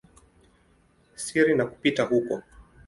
siri na kupita huko.